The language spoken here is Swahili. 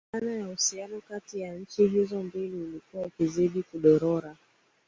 Dhana ya uhusiano kati ya nchi hizo mbili ulikuwa ukizidi kudorora